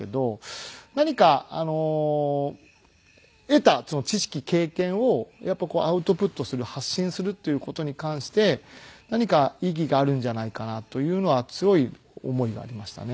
何か得た知識経験をやっぱりアウトプットする発信するという事に関して何か意義があるんじゃないかなというのは強い思いがありましたね。